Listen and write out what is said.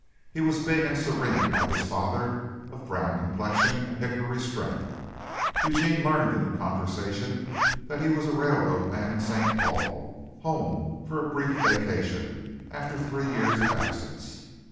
He was big and serene like his father, of brown complexion and hickory strength. Eugene learned in the conversation that he was a railroad man in St. Paul home for a brief vacation, after three years of absence.